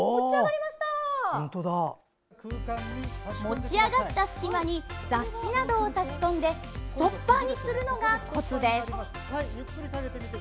持ち上がった隙間に雑誌などを差し込んでストッパーにするのがコツです。